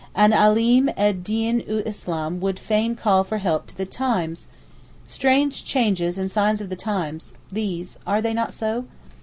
An Alim ed Deen ul Islam would fain call for help to the Times! Strange changes and signs of the times—these—are they not so?